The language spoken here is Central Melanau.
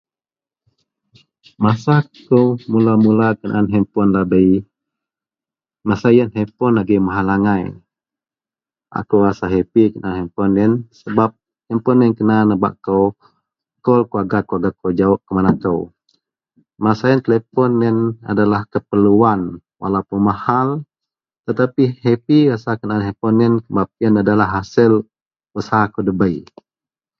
Masa kou mula-mula kenaan hanpon lahabei masa iyen hanpon agei mahal angai akou rasa hepi kenaan hanpon iyen sebab hanpon iyen kena nebak kou kol keluarga-keluarga kou jawok kuman akou masa iyen telepon iyen adalah keperluwan walau puon mahal tetapi hepi rasa kenaan hanpon iyen sebab iyen adalah hasil usaha kou debei.